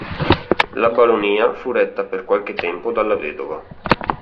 La baronia fu retta per qualche tempo dalla vedova.